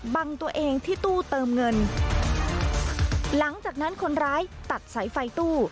บังตัวเองที่ตู้เติมเงินหลังจากนั้นคนร้ายตัดสายไฟตู้